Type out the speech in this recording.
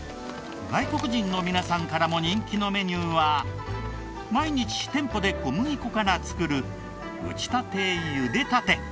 外国人の皆さんからも人気のメニューは毎日店舗で小麦粉から作る打ちたて茹でたて。